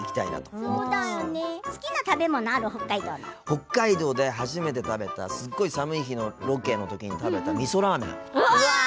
北海道で初めて食べたすっごい寒い日のロケの時に食べたみそラーメン。